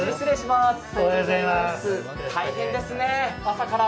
大変ですね、朝から。